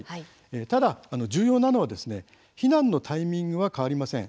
ただ重要なのは避難のタイミングは変わりません。